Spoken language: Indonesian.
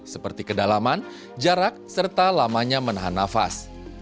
seperti kedalaman jarak serta lamanya menahan nafas